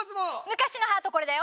昔のハートこれだよ。